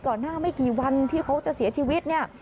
ก่อนหน้าไม่กี่วันที่เขาจะเสียชีวิต